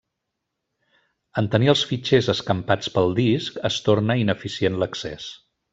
En tenir els fitxers escampats pel disc, es torna ineficient l'accés.